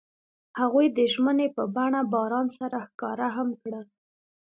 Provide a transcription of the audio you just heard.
هغوی د ژمنې په بڼه باران سره ښکاره هم کړه.